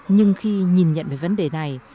nhưng khi nhìn nhận về vấn đề này